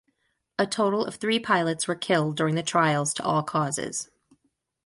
A total of three pilots were killed during the trials to all causes.